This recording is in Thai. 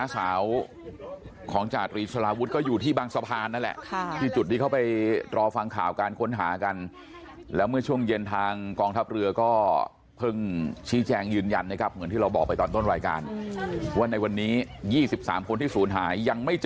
แต่ว่าเดี๋ยวดูบรรยากาศตรงนี้ก่อนกันแล้วกันนะครับ